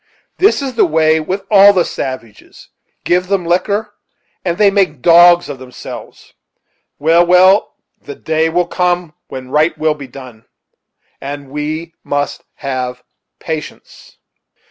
This is the way with all the savages; give them liquor, and they make dogs of themselves. Well, well the day will come when right will be done; and we must have patience."